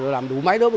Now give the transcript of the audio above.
làm đú máy đó